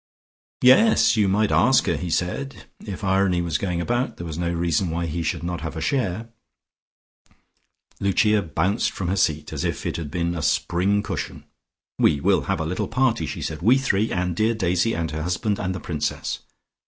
"Yes, you might ask her," he said. If irony was going about, there was no reason why he should not have a share. Lucia bounced from her seat, as if it had been a spring cushion. "We will have a little party," she said. "We three, and dear Daisy and her husband and the Princess.